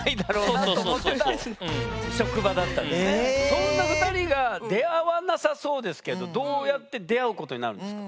そんな２人が出会わなさそうですけどどうやって出会うことになるんですか？